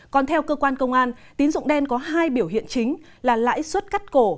còn theo cơ quan công an tín dụng đen có hai biểu hiện chính là lãi suất cắt cổ